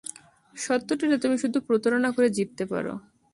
সত্য তো এটা তুমি শুধু প্রতারনা করে জিততে পারো।